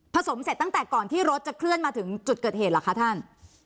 สมเสร็จตั้งแต่ก่อนที่รถจะเคลื่อนมาถึงจุดเกิดเหตุเหรอคะท่าน